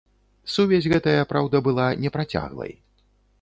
Сувязь гэтая, праўда, была непрацяглай.